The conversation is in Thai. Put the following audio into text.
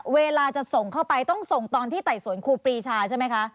เวลาจะส่งเข้าไปต้องส่งตอนที่ไต่สวนครูปรีชาใช่ไหมคะ